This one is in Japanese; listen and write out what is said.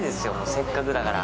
せっかくだから。